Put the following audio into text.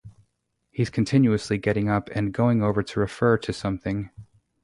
He's continuously getting up and going over to refer to something.